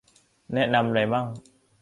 แนะนำไรมั่ง